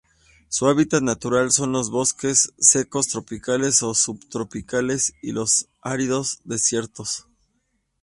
Su hábitat natural son los bosques secos tropicales o subtropicales y los áridos desiertos.